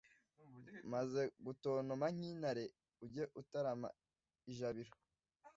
maze gutontoma nk'intare, ujye utarama ijabiro.